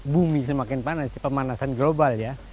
bumi semakin panas sih pemanasan global ya